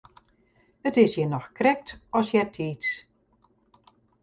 It is hjir noch krekt as eartiids.